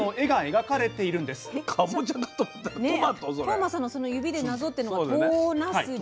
當間さんのその指でなぞってるのが唐なすび。